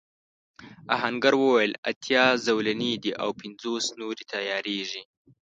آهنګر وویل اتيا زولنې دي او پنځوس نورې تياریږي.